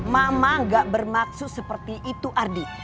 mama gak bermaksud seperti itu ardi